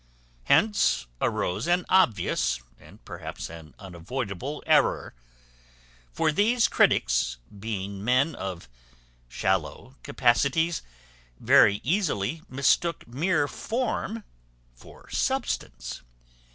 Hence arose an obvious, and perhaps an unavoidable error; for these critics being men of shallow capacities, very easily mistook mere form for substance.